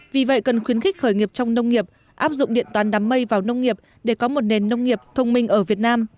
vì vậy cần khuyến khích khởi nghiệp trong nông nghiệp áp dụng điện toán đám mây vào nông nghiệp để có một nền nông nghiệp thông minh ở việt nam